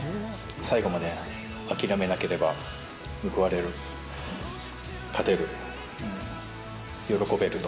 最後まで諦めなければ報われる、勝てる、喜べると。